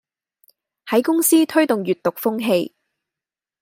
喺公司推動閱讀風氣